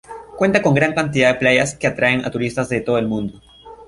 Cuenta con gran cantidad de playas que atraen a turistas de todo el mundo.